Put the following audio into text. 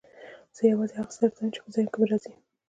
زه یوازې هغه څه درته وایم چې په ذهن کې مې راځي.